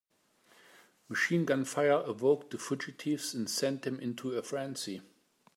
Machine gun fire awoke the fugitives and sent them into a frenzy.